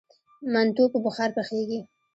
منتو په بخار پخیږي؟